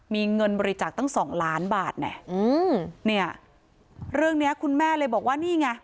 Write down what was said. มีเงินบริจาคตั้งสองล้านบาทเนี่ยอืมเนี่ยเรื่องเนี้ยคุณแม่เลยบอกว่านี่ไง